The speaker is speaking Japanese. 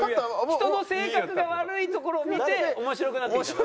人の性格が悪いところを見て面白くなってきたの？